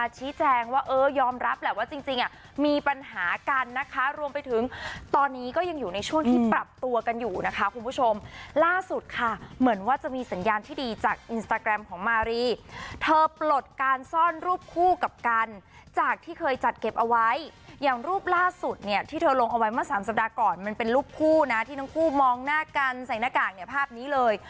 ที่เธอลงเอาไว้เมื่อ๓สัปดาห์ก่อนมันเป็นรูปคู่นะที่ทั้งคู่มองหน้ากันใส่หน้ากากเนี่ยภาพนี้เลย